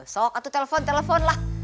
sok atau telepon telepon lah